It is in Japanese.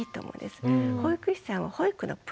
保育士さんは保育のプロです。